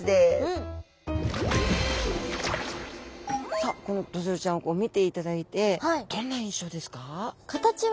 さあこのドジョウちゃんを見ていただいてどんな印象ですか？